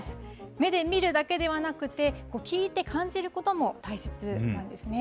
目で見るだけではなくて、聞いて感じることも大切なんですね。